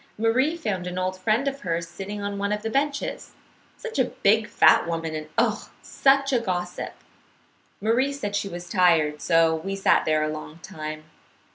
Marie found an old friend of hers sitting on one of the benches, such a big fat woman, and oh, such a gossip! Marie said she was tired, so we sat there a long time.